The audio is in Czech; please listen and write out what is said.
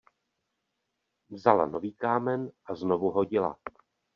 Vzala nový kámen a znovu hodila.